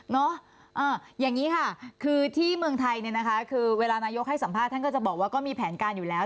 อย่างนี้ค่ะคือที่เมืองไทยเนี่ยนะคะคือเวลานายกให้สัมภาษณ์ท่านก็จะบอกว่าก็มีแผนการอยู่แล้ว